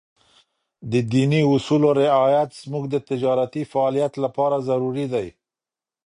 د ديني اصولو رعایت زموږ د تجارتي فعالیت لپاره ضروري دی.